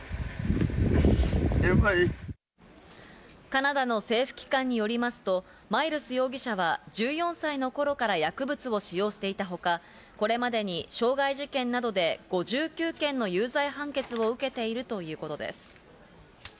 カナダの政府機関によりますと、マイルス容疑者は１４歳の頃から薬物を使用していたほか、これまでに傷害事件などで５９件の有罪判決を受けているということです。